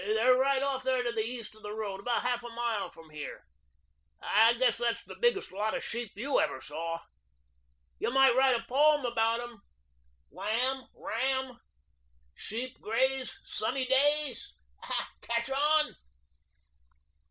They are right off here to the east of the road, about half a mile from here. I guess that's the biggest lot of sheep YOU ever saw. You might write a poem about 'em. Lamb ram; sheep graze sunny days. Catch on?"